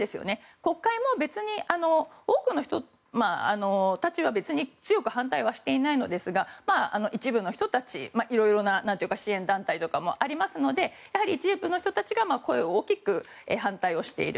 国会も別に多くの人たちは、別に強く反対はしていないんですが一部の人たちいろいろな支援団体とかもありますのでやはり一部の人たちが声を大きく反対している。